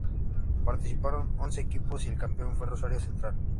Participaron once equipos y el campeón fue Rosario Central.